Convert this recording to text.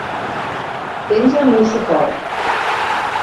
Tens el meu suport!